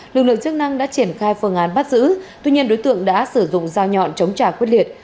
lực lượng chức năng đã triển khai phương án bắt giữ tuy nhiên đối tượng đã sử dụng dao nhọn chống trả quyết liệt